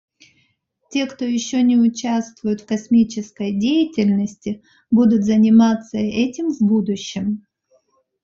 Те, кто еще не участвует в космической деятельности, будут заниматься этим в будущем.